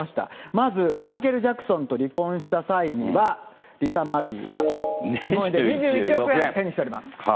まずマイケル・ジャクソンと離婚した際には、リサ・マリーは２１億円、手にしております。